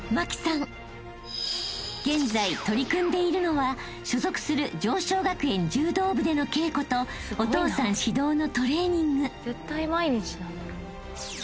［現在取り組んでいるのは所属する常翔学園柔道部での稽古とお父さん指導のトレーニング］